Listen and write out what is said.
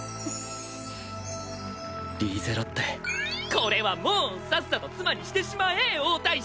これはもうさっさと妻にしてしまえ王太子！